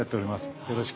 よろしく。